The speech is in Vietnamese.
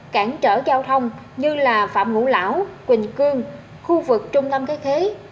cản trở giao thông như là phạm ngũ lão quỳnh cương khu vực trung tâm cái thế